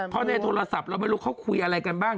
เพราะในโทรศัพท์เราไม่รู้เขาคุยอะไรกันบ้าง